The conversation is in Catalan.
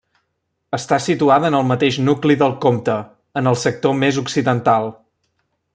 Està situada en el mateix nucli del Comte, en el sector més occidental.